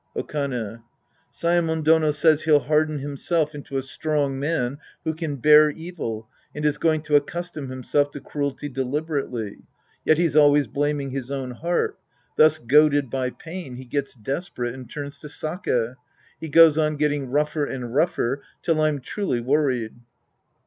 Okane. Saemon Dono says he'll harden himself into a strong man who can bear evil and is going to accustom himself to cruelty deliberately. Yet he's always blaming his own heart. Thus goaded by pain, he gets desperate and turns to sake. He goes on getting rougher and rougher till I'm truly worried.